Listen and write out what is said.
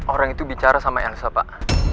orang itu bicara sama engsa pak